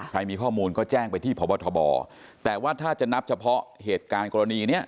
มีข้อมูลก็แจ้งไปที่พบทบแต่ว่าถ้าจะนับเฉพาะเหตุการณ์กรณีเนี้ย